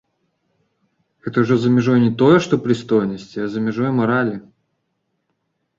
Гэта ужо за мяжой не тое што прыстойнасці, а за мяжой маралі.